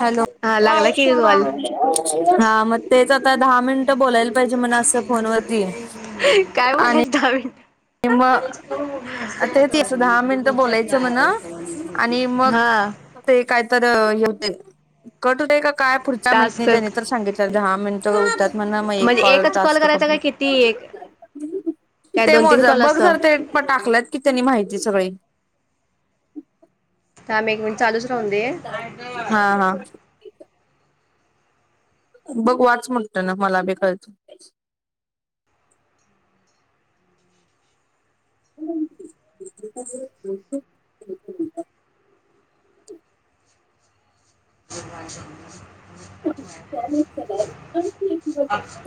Hello हा लागला की कॉल हा मग तेच दहा मिनट बोलायल काय आणि बोलायच दहा मिनिटं. मग ते त दहा मिनट बोलायचं म्हणं आणि मग हा ते कायत होत कट होते का काय पुढचा माहित नाही टास्क त्यांनी तर सांगित दहा मिनिटं होतात म्हणं मग एक म्हणजे कॉल एकच टास्क करायचा का कम्प्लीट किती एक काय ते दोन मो तीन कॉल बघ असतं जर ते पण टाकलंत की त्यांनी माहिती सगळी थांब एक मिनिट चालूच राहू दे. हा हा बघ वाच मोठ्यानं मला बी कळत. [unintelligible] [inaudible] [unintelligible] अच्छा.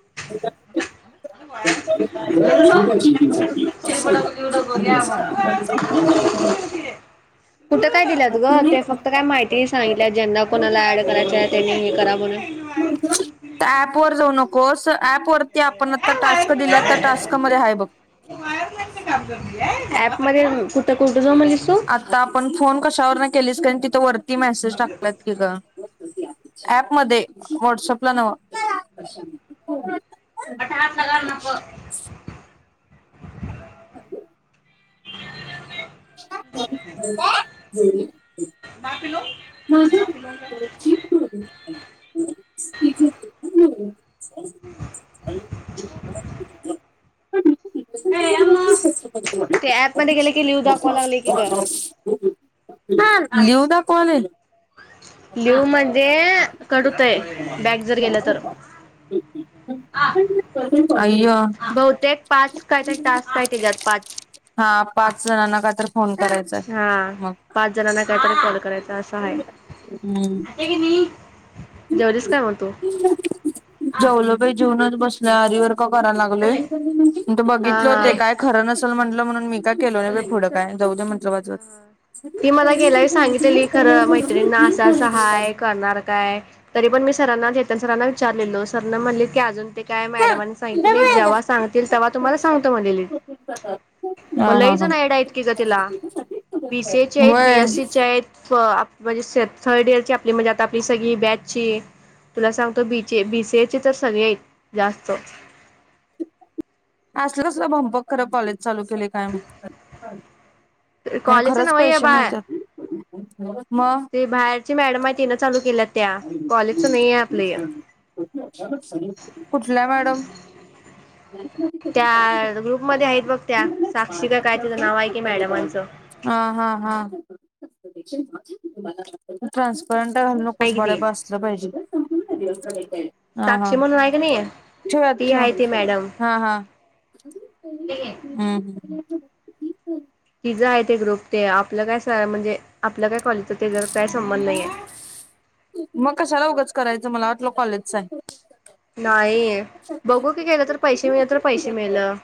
[unintelligible] बघूया बा वाळत की [unintelligible] कुठं काय दिल्यात गं ते फक्त काय माहिती, ती सांगितल्या, ज्यांना कोणाला ऍड करायच आहे त्यांनी हे करा म्हणून. ऍप वर जाऊ नकोस, ऍप वरती आपण आता टास्क दिल्यात त्या टास्कमध्ये आहे बघ. ऍप मध्ये कुठं कुठं जाऊ म्हणलीस तू? कशावरनं केलीस का नाही तिथं वरती मेसेज टाकतात की ग ॲप मध्ये व्हाट्सअप ला नवं [unintelligible] [inaudible] [unintelligible] माझ ते ऍप मध्ये गेले की लिव्ह दाखवा लागले की ग [unintelligible] [unintelligible] हा लिव दाखवालंय. लिव म्हणजे कट होतय बॅकजर गेलं तर. आयो. बहुतेक पाच काहीतरी टास्क आहेत. त्याच्यात पाच हा पाच जणांना का तर फोन करायचाय हा, मग पाच जणांना काहीतरी कॉल करायचा अस, आहे [unintelligible] जेवलीस काय मग तू जेवलो बाई जेवूनचं. बसण्या आरीवर, [unintelligible] लागलोय हा बघितलं हा ते काय खरं नसतं चल म्हटलं, म्हणून मी का केलो नाही बाई पुढं, काय जाऊदे म्हंटल [unintelligible] ती मला गेल्यावेळी सांगितलेली खरं मैत्रिणीना असं असं हाय करणार काय? तरी पण मी सरांना केतन सरांना विचारलेलो सर न म्हणलेत की अजून ते काय मॅडमनी सांगितल नाहीत. जेव्हा सांगतील तेव्हा तुम्हाला सांगतो म्हटलेलीत. मग हा हा लईच हा जण ऍड आहे की ग तिला, बी सी एच आहेत. बी होय एस सीच आहेत फ म्हणजे थर्ड इयरची, आपली म्हणजे आता आपली सगळी बॅची, तुला सांगतो बीचे बी सी एचे तर सगळे आहेत जास्त. असल कसलं, भमपक खरं कॉलेज चालू केले काय माहित. त्यांना कॉलेज खरंच नव हे पैसे बाळ, मिळतात मग ते बाहेरची मॅडम आहे तिन चालू केल्या त्या, कॉलेजच नाही आहे आपलं या कुठला मॅडम, त्या ग्रुपमध्ये आहेत बघ त्या साक्षी का काय तिचं नाव आहे की मॅडमांचं हा हा हा ट्रानस्परंट आहे कि ती उस्मानाबाद असलं पाहिजे काय? संपूर्ण दिवसचा. [unintelligible] हा हा साक्षी म्हणून आहे का नाही ठेवा ती आहे ते ठेवा मॅडम हा हा हम्म हम्म. [unintelligible] जाय ते ग्रुप ते आपलं कसं आहे म्हणजे आपलं काय कॉलेजचा त्याचावर काय संबंध नाही आहे. मग कशाला उगंच करायचं मला वाटलं कॉलेजचा आहे. नाही बघू की गेलं तर पैशे मिळ तर पैशे मिळलं.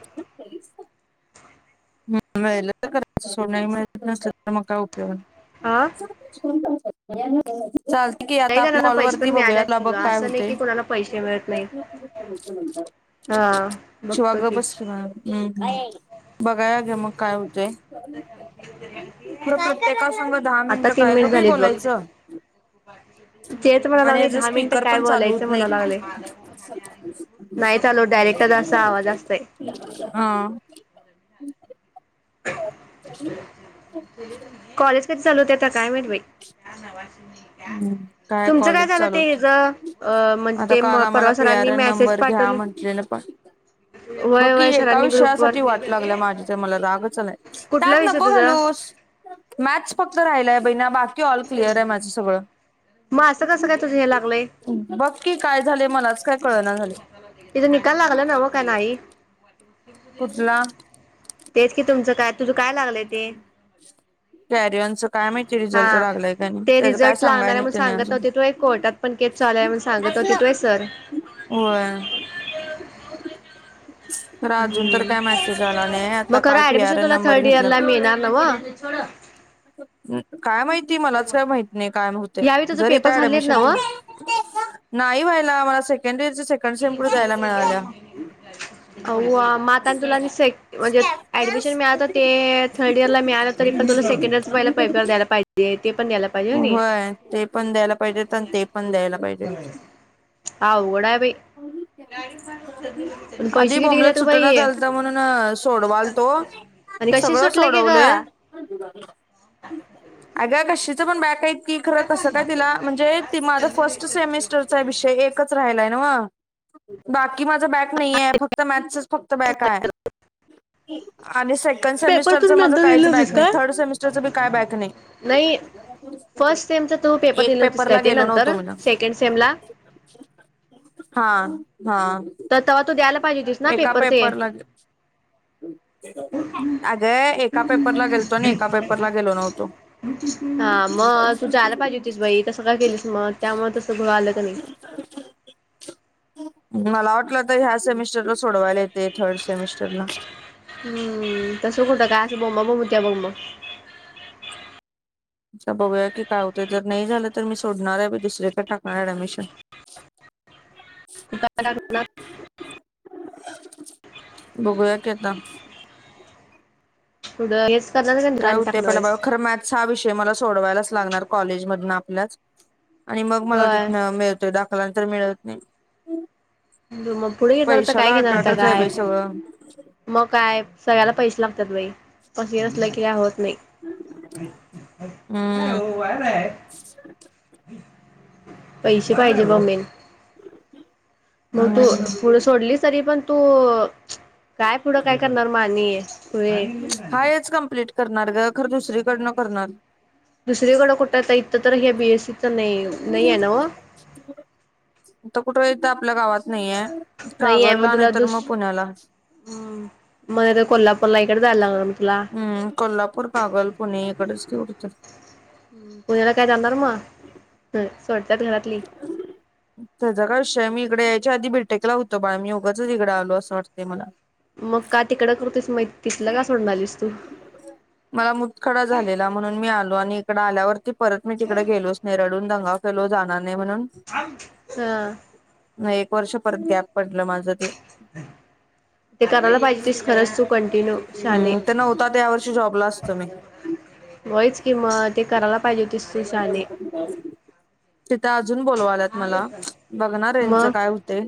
मिळालं तर कर सो नाही मिळालं तर मग काय उपयोग आहे. हा [inaudible] बरं आहे ना. [unintelligible] चालतं की काही आता आपल्या जणांना कॉल पैसे पण वरती बघूया मिळाल्यात त्याला की ग बघ काय असं नाही हुतय, की कोणाला पैसे मिळत नाही हा शिवा बघतो गप की बस शिवा हम्म. [unintelligible] मग काय होतय? खरं प्रत्येकासंग दहा आता मिनटं तीन काय ग मिनिट बाई झालीत बघ बोलायचं तेच म्हणा आणि लागले ह्याचा दहा मिनिटं स्पीकर काय पण चालू बोलायचं होत म्हणा नाही लागले नाही चालू डायरेक्टच असा आवाज असतोय हां. [inaudible] कॉलेज कधी चालू होत्यात? आता काय माहित बई. हम्म, काय कॉलेज ते हेज चालूओतच अ म्हणजे आता ते काल आम्हाला परवा पी आर सरांनी एन मेसेज नंबर घ्या पाठवले म्हंटलेलंपण बग व्हय की व्हय एका सरांनी ग्रुपवर विषयासाठी वाट लागल्या माझी तर मला रागच च आला आहे, कुठला त्यात विषय नको तुझा घालूस मॅथ्स फक्त राहिलाय बईना बाकी ऑल क्लियर आहे माझ म असं कसं काय तुझ हे लागलय बघ की काय झाले मलाच काय कळना झाले तिजा निकाल लागला नवं का नाही? तेच कि तुमचा कॅरियॉनचा काय माहिती हा रिझल्ट लागलाय कायनई ते त्याच काय रिझल्ट सांगाय लागणार आहे नाई म्हणून ते सांगत होते तू एक कोर्टात पण केस चालूय म्हणून सांगत होतीत व्हय सर. होय तर अजून तर काय मेसेज आला नाही हम्म आता मग काल खरं पी आर ऍडमिशन एन तुला नंबर थर्ड घेतला इयरला मिळणार नवं. [inaudible] काय माहिती मलाचं काय माहिती नाही काय म हो ते यावेळी तुझं जर पेपर इथं झालेत नव्ह ऍडमिशनचा नाही व्हायला आम्हाला स केंदीज औआ म आता आनी तुला आनी सेक म्हणजे ऍडमिशन मिळालं तर ते ए थर्ड इयर ला मिळालं तरी पण तुला सेकंड इयरच पहिला पैपर द्यायला पाहिजे ते पण द्यायला पाहिजे हुयनी होय ते पण द्यायला पाहिजेत आणि ते पण द्यायला पाहिजे आवगड हाय बई. [unintelligible] पैशे किती घेत्या तू ब [unintelligible] झालतं म्हणून सोडवालतो आणि कशी सगळं सुटले की ग सोडवलोय. अगं [unintelligible] [unintelligible] पण बॅक हाईत ती खरं तसं काय तिला म्हणजे ते माझा फर्स्ट सेमिस्टरचा विषय एकच राहिलाय. नव्हं बाकी म बॅक नाहीये फक्त मॅथ्सच फक्त बॅक आहे. [inaudible] आणि सेकंड पेपर सेमिस्टरच तुम्ही माझं नंतर दिले काहीच होतीस बॅक नाही का थर्ड सेमिस्टरच बी काय बॅक नाही नाही [unintelligible] फर्स्ट सेमचा तू पेपर एक दिले होतीस काय पेपरला ते गेलो नंतर नव्हतो म्हणून सेकंड सेमला हां. तर तवा तू द्यायला पाहिजे होतीस ना. एका पेपर ते पेपरला अगं एका पेपरला गेलतो आणि एका पेपरला गेलो नव्हतो हां म तू जायला पाहिजे होतीस बाई तसं का केलीस म त्यामुळं तसं [unintelligible] आलं क नाही. मला वाटलं आता ह्या सेमिस्टर [unintelligible] सोडवायला ये हम्म तसं कुठं काय असं बोंबा बोंब हो त्या बोललो. आता बघूया की काय होतंय जर नाही झालं तर मी सोडणार आहे बाई दुसरीकडे टाकणार आहे ऍडमिशन. [inaudible] बघूया की आता. [unintelligible] काय दुराणी होते टाकणार पहिला [unintelligible] आहेस खरं माझं सहा विष य मला सोडवालाच लागणार कॉलेजमधनं आपल्याच. आणि मग मला होय तिथनं मिळतोय दाखला. तर मिळत नाही. मग पुढे घेणार होता काय पैशाला घेणार होता अटाटच आहे बाई काय? सगळं मग काय सगळ्याला पैसे लागतात बाई प हे असलं की [unintelligible] नाही. हम्म [unintelligible] पैसे पाहिजे मम्मे? मग तू हम्म पुढं सोडली तरी, पण तु काय पुढं काय करणार म आणि? पुढे हा हेच कम्प्लीट करणार गपं. दुसरी कड कुठं? इतं तर हे बी एस सी आता कुठे आपल्या गावात नाहीय नाही आहे कागल ला मग आणि तुला तर दुस मग पुण्याला मला तर कोल्हापूरला इकडे जायला लागणार मग तुला हम्म कोल्हापूर, कागल, पुणे इकडचं तेवढीच आहे उद्याला काय जाणार म हं तेचा काय विषय आहे मी तिकडं याच्या आधी बि टेक ला होतो बाळ मी उगाचच इकड आलो असं वाटतय मला मग का तिकडं करत होतीस, म तिथलं का सोडून आलीस तू? मला मुतखडा झालेला म्हणून मी आलो आणि इकड आल्यावरती परत मी तिकडे गेलोच नाही, रडून दंगा केलो जाणार ना हा मग एक वर्ष परत गॅप पडलं माझं ते ते करायला पाहिजेतीस खरंच तू कंटिन्यू शहाने, हम्म ते नव्हतात या वर्षी जॉबला असतो मी. होईच कि म ते करायला पाहिजेतीस तू शहाने तिथं अजून बोलवा द्यात बघणारे मग काय होते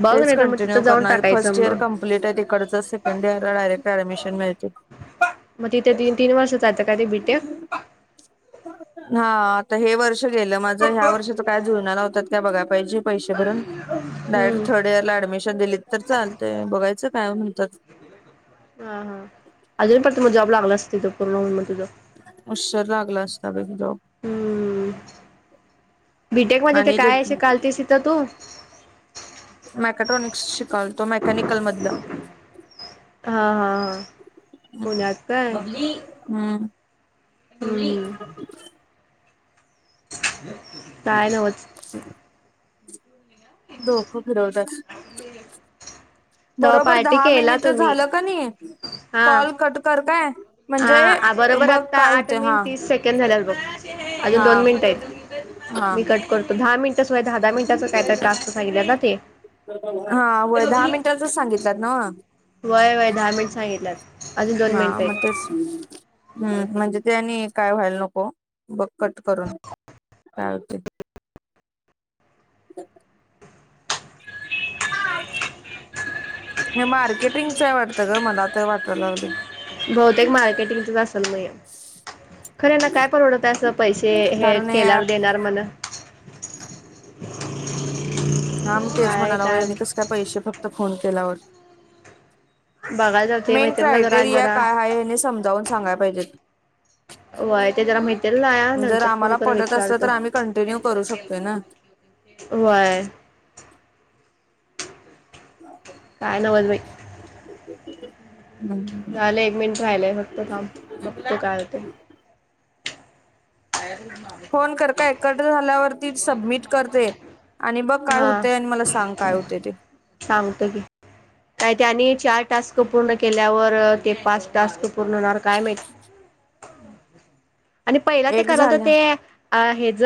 बघ तेच नाही तर मग तिथं कंटिन्यू जाऊन करणार टाकायचं फर्स्ट इयर मग कंप्लीट आहे तिकडच सेकंड इयरला डायरेक्ट ऍडमिशन मिळतय. मग तिथे तीन तीन वर्ष जायचं का ते बीटेक हा आता हे वर्ष गेलं माझ ह्या वर्षी तर काय जुळना लावत्यात काय बघाय पाहिजे पैसे भरून हम्म डायरेक्ट थर्ड इयरला अडमिशन दिली तर चालतय, बघायचं काय म्हणतात? हा हा अजून पण त मला जॉब लागला असतं पुर्ण होऊन तिथं उशिर लागला असता बाई जॉब बी टेक मध्ये ते काय अस शिकायलतेस इथं तू मॅकाटाॅनिक्स शिक कालतो मेकॅनिकल मधलं हा हा हा पुण्यात काय हम्म. हम्म [inaudible] काय नवच डोकं फिरवतात तेव्हा बरोबर पार्टी दहा केला मिनिट तुम्ही झालं का नाही, हा कॉल कट कर काय? म्हणजे हा बरोबर बघ आता काय आठ होते मिनट हा तीस सेकंड झाल्यात बघ अजून हा दोन मिनिटयत हा. मी कट करतो दहा मिनट य दहा दहा मिनटाच कॅटर टस्त सांगलं ना ते [unintelligible] ह वय वय दहा मिनिट सांगितल्यात अजून दोन मिनिटं मग आहेत तेच हम् म्हणजे त्यांनी काय व्हायला नको बघ कट करून काय होतय. [inaudible] [inaudible] मार्केटिंगचय वाटत ग मला तर वाटायला लागले. बहुतेक मार्केटिंगचच असेल? म हे खर याना काय परवडत अस पैसे हे कारण केल्यावर ऍप देणार म्हण [unintelligible] हा म तेच म्हणाला गलोय हेनी कस काय पैसे फक्त फोन केल्यावर बघायला जाते मेन मैत्रीण ना जरा आणि क्रायटेरिया जरा काय आहे हेने समजावून सांगाय पाहिजेत. वय ते जरा माहि ते ला जर नंतर फोन आम्हाला करून पटत असलं विचारतोय. तर आम्ही कंटिन्यू करू शकतोय ना काय नवच बाई. झालं एक मिनिट राहिलंय फक्त काम मग काय होते. ह [unintelligible] फोन कर का एकत्र झाल्यावरती सबमिट करते आणि बघ काय हा होते आणि मला सांग काय होते ते सांगतो की काय त्यांनी चार टास्क पूर्ण केल्यावर ते पाच टास्क पूर्ण होणार काय माहिती? आणि पहिला ते एक कराव तर झाल्या ते हे ज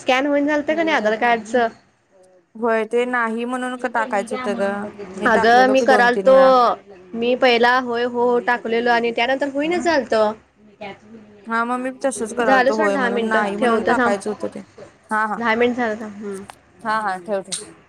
स्कॅन होईन चालत का नाही आधार कार्डच होय ते नाही म्हणून का टाकायचं होतं ग मी अगं टाकलेलो मी की दोन तीन करालतो वेळा मी पहिला होय हो टाकलेलो आणि त्याना तर होईना चालत हा मग मी तसच करालतो सोड होय दहा म्हणून नाही मिनिटं म्हणून ठेवतो थांब टाकायचं होतं ते हा हा दहा मिनिट झालं थांब हम्म हा हा ठेव ठेव